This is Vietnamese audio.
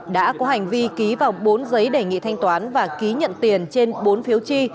đã có hành vi ký vào bốn giấy đề nghị thanh toán và ký nhận tiền trên bốn phiếu chi